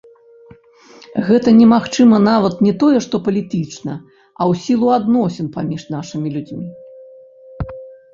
Гэта немагчыма нават не тое што палітычна, а ў сілу адносін паміж нашымі людзьмі.